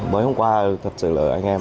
mới hôm qua thật sự là anh em